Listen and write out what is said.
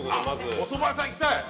おそば屋さん行きたい！